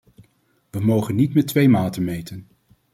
We mogen niet met twee maten meten.